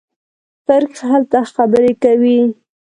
تاریخ هلته خبرې کوي.